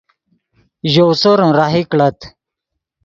ژؤ سورن راہی کڑت